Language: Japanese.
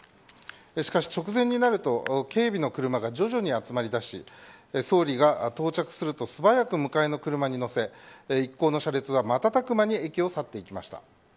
しかし直前になると警備の車が徐々に集まりだし総理が到着すると素早く迎えの車に乗せ一行の車列は瞬く間に去っていきました。